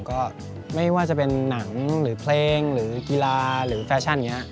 ก็ไม่ว่าจะเป็นหนังหรือเพลงหรือกีฬาหรือแฟชั่นอย่างนี้